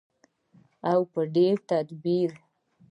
او په ډیر تدبیر.